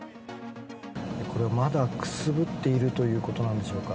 これ、まだくすぶっているということなんでしょうか。